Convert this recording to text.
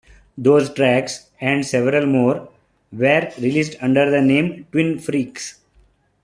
Those tracks, and several more, were released under the name Twin Freaks.